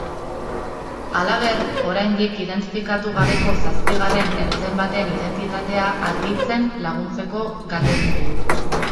Halaber, oraindik identifikatu gabeko zazpigarren ertzain baten identitatea argitzen laguntzeko galdegin dio.